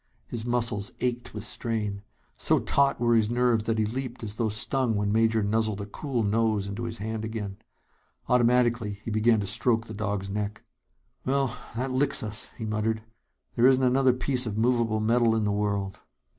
His muscles ached with strain. So taut were his nerves that he leaped as though stung when Major nuzzled a cool nose into his hand again. Automatically, he began to stroke the dog's neck. "Well, that licks us," he muttered. "There isn't another piece of movable metal in the world."